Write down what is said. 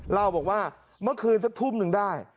เล่าบอกว่าเมื่อคืนสักทุ่มหนึ่งได้